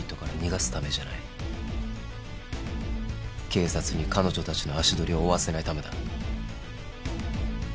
警察に彼女たちの足取りを追わせないためだ。